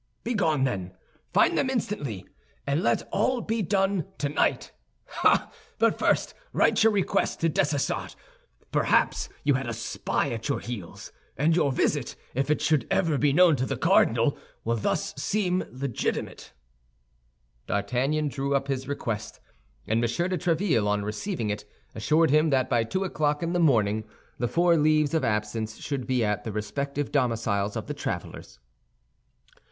"Begone, then, find them instantly, and let all be done tonight! Ha! But first write your request to Dessessart. Perhaps you had a spy at your heels; and your visit, if it should ever be known to the cardinal, will thus seem legitimate." D'Artagnan drew up his request, and M. de Tréville, on receiving it, assured him that by two o'clock in the morning the four leaves of absence should be at the respective domiciles of the travelers.